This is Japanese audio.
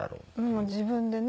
もう自分でね